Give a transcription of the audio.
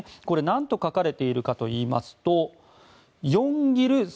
これ、なんと書かれているかといいますとヨンギル